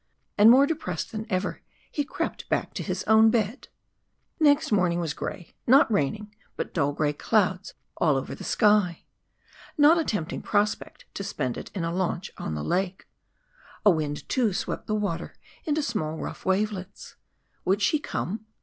And more depressed than ever he crept back to his own bed. Next morning was grey not raining, but dull grey clouds all over the sky. Not a tempting prospect to spend it in a launch on the lake. A wind, too, swept the water into small rough wavelets. Would she come?